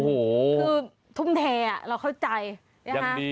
อืมคือทุ่มแท้เราเข้าใจโอ้โห